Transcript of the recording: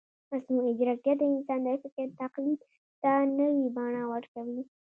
مصنوعي ځیرکتیا د انسان د فکر تقلید ته نوې بڼه ورکوي.